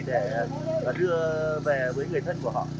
để đưa về với người thân